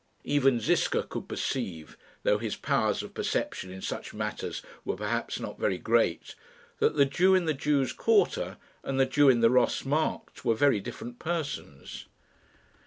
Even Ziska could perceive, though his powers of perception in such matters were perhaps not very great, that the Jew in the Jews' quarter, and the Jew in the Ross Markt, were very different persons.